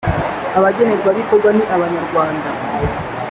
abagenerwabikorwa ni abanyarwanda